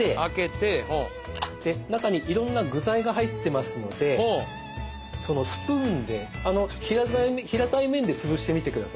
で中にいろんな具材が入ってますのでそのスプーンで平たい面で潰してみてください。